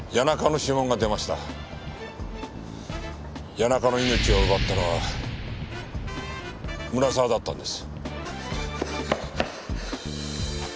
谷中の命を奪ったのは村沢だったんです。